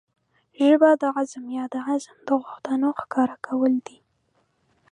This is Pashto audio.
ژبه د عزم يا د عزم د غوښتنو ښکاره کول دي.